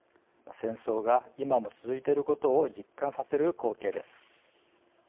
戦争が今も続いていることを実感させる光景です。